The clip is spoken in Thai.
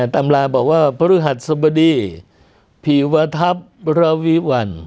ตำราบอกว่าพฤหัสสบดีผีวทัพระวิวัล